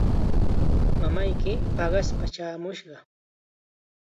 Mamayki paqaspa chaamushqa.